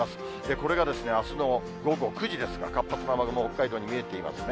これがあすの午後９時ですか、活発な雨雲、北海道に見えていますね。